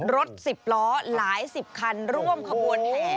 รถ๑๐ล้อหลายสิบคันร่วมขบวนแห่